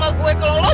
eh eh emang